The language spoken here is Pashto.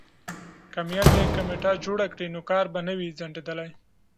که میندې کمیټه جوړه کړي نو کار به نه وي ځنډیدلی.